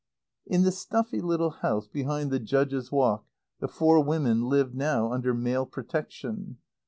In the stuffy little house behind the Judge's Walk the four women lived now under male protection.